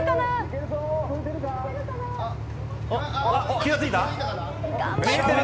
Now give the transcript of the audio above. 気が付いた。